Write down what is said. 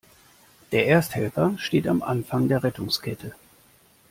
Der Ersthelfer steht am Anfang der Rettungskette.